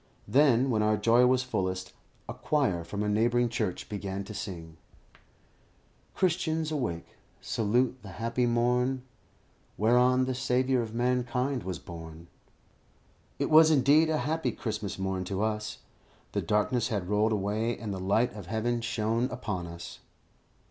Then, when our joy was fullest, a choir from a neighbouring church began to sing "Christians, awake, salute the happy morn, Whereon the Saviour of mankind was born." It was indeed, a happy Christmas morn to us. The darkness had rolled away, and the light of heaven shone upon us.